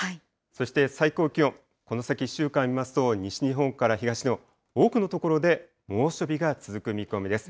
そして、最高気温、この先１週間見ますと、西日本から東日本、多くの所で猛暑日が続く見込みです。